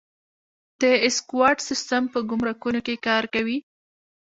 د اسیکوډا سیستم په ګمرکونو کې کار کوي؟